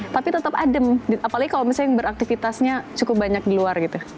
tapi tetap adem apalagi kalau misalnya yang beraktivitasnya cukup banyak di luar gitu